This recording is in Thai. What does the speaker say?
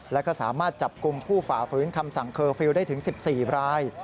แล้วก็สามารถจับกลุ่มผู้ฝ่าฝืนคำสั่งเคอร์ฟิลล์ได้ถึง๑๔ราย